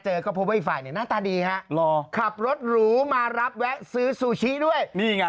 เธอก็เขย่าไปเข้าไปแล้วผูกจุกเจอ